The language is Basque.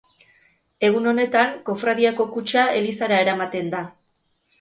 Egun honetan Kofradiako kutxa elizara eramaten da.